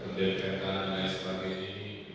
berdekatan dan lain sebagainya